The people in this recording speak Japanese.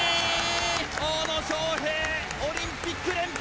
大野将平、オリンピック連覇！